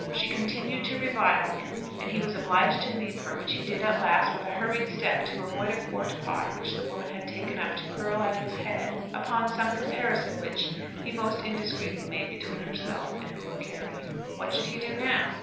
She continued to revile him, and he was obliged to leave her, which he did, at last, with a hurried step to avoid a quart pot which the woman had taken up to hurl at his head, upon some comparison which he most indiscreetly made between herself and poor Carry Brattle. What should he do now?